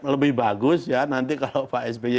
lebih bagus ya nanti kalau pak sby